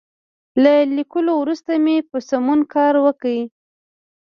له ليکلو وروسته یې په سمون کار وکړئ.